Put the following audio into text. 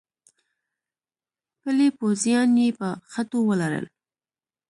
پلي پوځیان يې په خټو ولړل.